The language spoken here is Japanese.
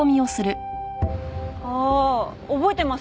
ああ覚えてます。